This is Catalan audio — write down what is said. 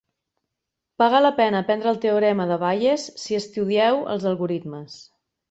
Paga la pena aprendre el teorema de Bayes si estudieu els algoritmes.